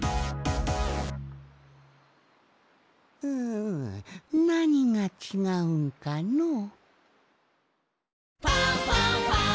んなにがちがうんかのう。